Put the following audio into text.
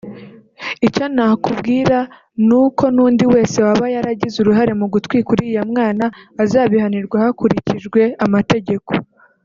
icyo nakubwira ni uko n’undi wese waba yaragize uruhare mu gutwika uriya mwana azabihanirwa hakurikijwe amategeko